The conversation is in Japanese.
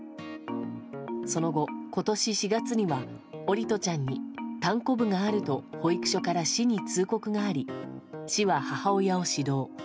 その後、今年４月には桜利斗ちゃんにたんこぶがあると保育所から市に通告があり市は母親を指導。